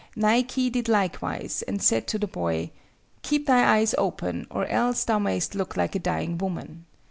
Naiki did likewise and said to the boy—'Keep thy eyes open or else thou mayst look like a dying woman.